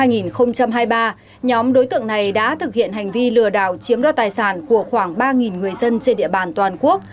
nhóm đối tượng này đã thực hiện hành vi lừa đảo chiếm đo tài sản của khoảng ba người dân trên địa bàn toàn quốc